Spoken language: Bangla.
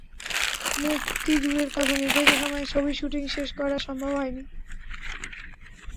মুক্তি দূরের কথা, নির্ধারিত সময়ে ছবির শুটিং শেষ করাই সম্ভব হয়নি।